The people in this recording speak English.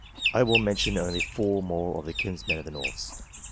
I will mention only four more of the kinsmen of the Norths.